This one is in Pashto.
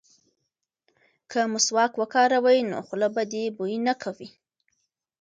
که مسواک وکاروې نو خوله به دې بوی نه کوي.